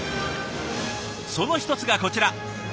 その一つがこちら。